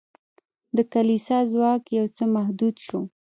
د کلیسا ځواک یو څه محدود شو.